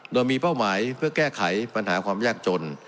โดยมีเป้าหมายเพื่อแก้ไขปัญหาความยากจน